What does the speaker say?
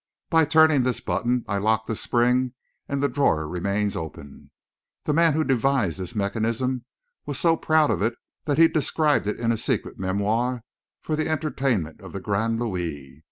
By turning this button, I lock the spring, and the drawer remains open. The man who devised this mechanism was so proud of it that he described it in a secret memoir for the entertainment of the Grand Louis.